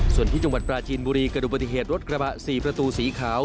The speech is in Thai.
ส่วนที่จังหวัดปราจีนบุรีกระดูกปฏิเหตุรถกระบะ๔ประตูสีขาว